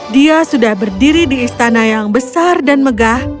dia sudah berdiri di istana yang besar dan megah